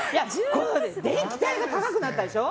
電気代が高くなったでしょ。